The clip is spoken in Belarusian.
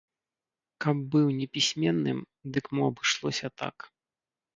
Каб быў непісьменным, дык мо абышлося так.